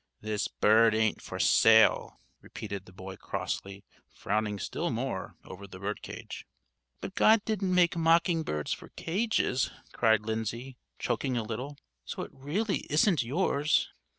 "This bird ain't for sale," repeated the boy, crossly, frowning still more over the bird cage. "But God didn't make mocking birds for cages," cried Lindsay, choking a little. "So it really isn't yours."